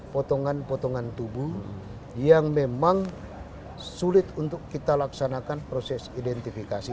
potongan potongan tubuh yang memang sulit untuk kita laksanakan proses identifikasi